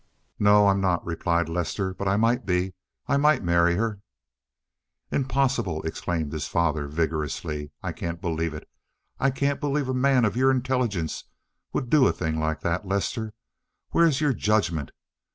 "No, I'm not," replied Lester, "but I might be. I might marry her." "Impossible!" exclaimed his father vigorously. "I can't believe it. I can't believe a man of your intelligence would do a thing like that, Lester. Where is your judgment?